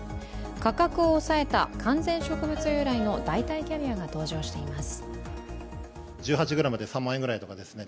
価格を抑えた完全植物由来の代替キャビアが登場しています。